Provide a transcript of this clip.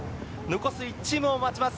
残す１チームを待ちます